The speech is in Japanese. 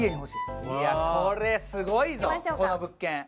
これすごいぞ、この物件。